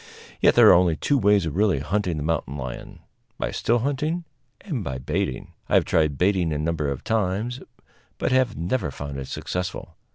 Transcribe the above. Yet there are only two ways of really hunting the mountain lion by still hunting and by baiting. I have tried baiting a number of times, but have never found it successful.